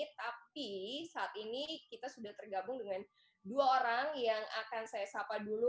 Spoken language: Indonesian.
tapi saat ini kita sudah tergabung dengan dua orang yang akan saya sapa dulu